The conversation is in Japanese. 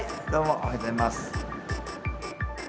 おはようございます。